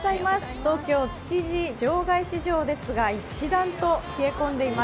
東京・築地場外市場ですが、一段と冷え込んでいます。